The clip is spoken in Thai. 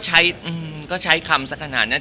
ตะสิก็ใช้คำสักขนาดนั้น